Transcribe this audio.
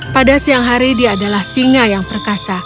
pada siang hari dia adalah singa yang perkasa